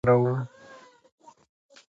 د ریحان تخم د څه لپاره وکاروم؟